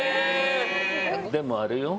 でも、あれよ。